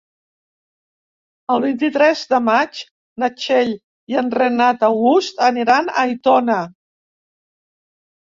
El vint-i-tres de maig na Txell i en Renat August aniran a Aitona.